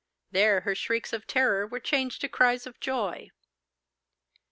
There her shrieks of terror were changed to cries of joy.